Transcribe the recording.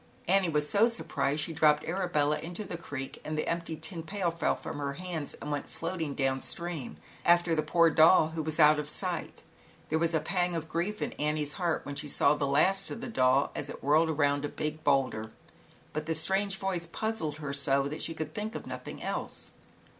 Annie was so surprised she dropped Arabella into the creek and the empty tin pail fell from her hands and went floating down stream after the poor doll, who was soon out of sight. There was D a pang of grief in Annie's heart when she saw the last of the old doll as it led around a big boulder, but the /*//> 92 ZAUBERLINDA, THE WISE WITCH. strai* o e voice puzzled her so that she could think of nothing else.